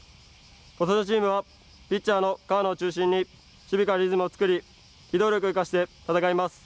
ことしのチームはピッチャーの河野を中心に守備からリズムを作り機動力を生かして戦います。